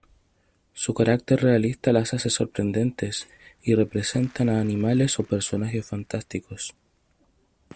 Su carácter realista las hace sorprendentes y representan a animales o personajes fantásticos.